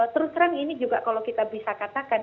terus terang ini juga kalau kita bisa katakan